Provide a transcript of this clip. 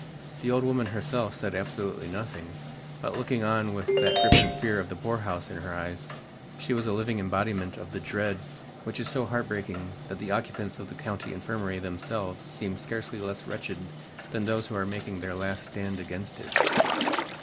The old woman herself said absolutely nothing, but looking on with that gripping fear of the poorhouse in her eyes, she was a living embodiment of that dread which is so heartbreaking that the occupants of the County Infirmary themselves seem scarcely less wretched than those who are making their last stand against it.